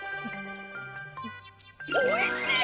おいしい！